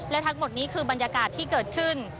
และทั้งหมดนี้คือบรรยากาศที่เกิดขึ้น